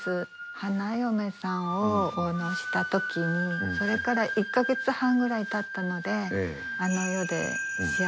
花嫁さんを奉納したときにそれから１カ月半ぐらいたったので。